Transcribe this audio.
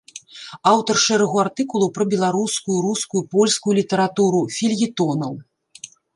Аўтар шэрагу артыкулаў пра беларускую, рускую, польскую літаратуру, фельетонаў.